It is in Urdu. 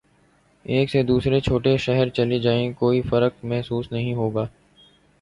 ایک سے دوسرے چھوٹے شہر چلے جائیں کوئی فرق محسوس نہیں ہو گا۔